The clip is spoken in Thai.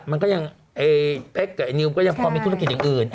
มันก็ยังไอ้เป๊กกับไอนิวก็ยังพอมีธุรกิจอย่างอื่น